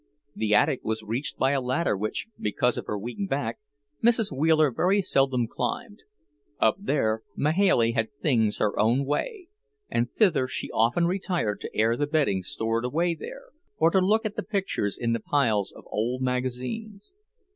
The attic was reached by a ladder which, because of her weak back, Mrs. Wheeler very seldom climbed. Up there Mahailey had things her own way, and thither she often retired to air the bedding stored away there, or to look at the pictures in the piles of old magazines.